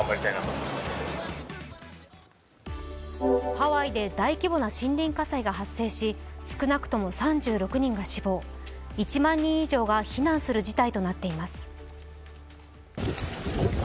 ハワイで大規模な森林火災が発生し少なくとも３６人が死亡、１万人以上が避難する事態となっています。